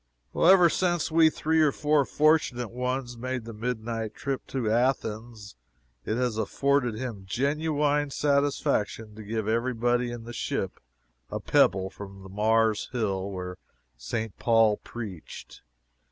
Ever since we three or four fortunate ones made the midnight trip to Athens, it has afforded him genuine satisfaction to give every body in the ship a pebble from the Mars hill where St. Paul preached.